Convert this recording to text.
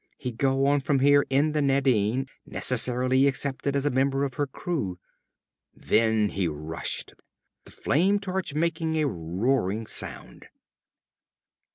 He'd go on from here in the Nadine, necessarily accepted as a member of her crew. Then he rushed, the flame torch making a roaring sound.